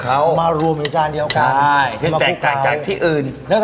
โอ้โหโอ้โหโอ้โหโอ้โหโอ้โห